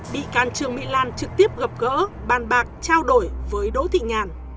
bị can trương mỹ lan trực tiếp gặp gỡ bàn bạc trao đổi với đỗ thị nhàn